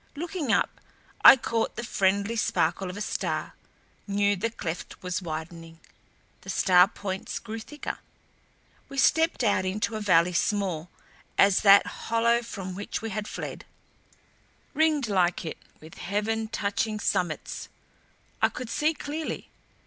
Looking up I caught the friendly sparkle of a star; knew the cleft was widening. The star points grew thicker. We stepped out into a valley small as that hollow from which we had fled; ringed like it with heaven touching summits. I could see clearly.